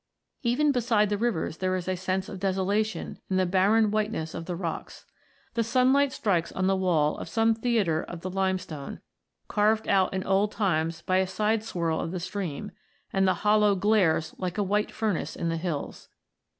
Even beside the rivers there is a sense of desolation in the barren whiteness of the rocks. The sunlight strikes on the wall of some theatre of the limestone, carved out in old times by a side swirl of the stream, and the hollow glares like a white furnace in the hills.